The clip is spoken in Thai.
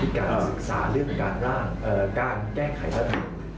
ที่การศึกสาเรื่องการร่างการแก้ไขครัฐภาพ